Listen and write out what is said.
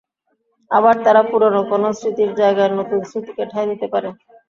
আবার তারা পুরোনো কোনো স্মৃতির জায়গায় নতুন স্মৃতিকে ঠাঁই দিতে পারে।